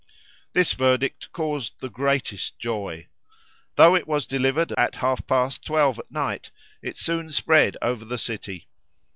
This verdict caused the greatest joy. Though it was delivered at half past twelve at night, it soon spread over the city.